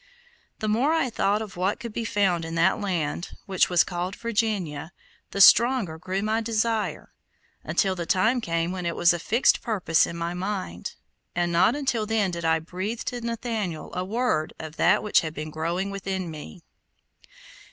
The more I thought of what could be found in that land, which was called Virginia, the stronger grew my desire, until the time came when it was a fixed purpose in my mind, and not until then did I breathe to Nathaniel a word of that which had been growing within me.